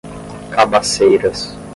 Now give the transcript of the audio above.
Cabaceiras